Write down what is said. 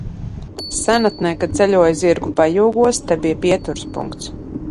Senatnē, kad ceļoja zirgu pajūgos, te bija pieturas punkts.